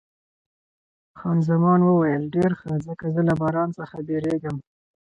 خان زمان وویل، ډېر ښه، ځکه زه له باران څخه بیریږم.